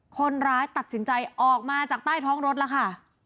คนร้ายตัดสินใจออกมาจากใต้ท้องรถแล้วค่ะ